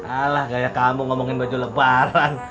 alah gaya kamu ngomongin baju lebaran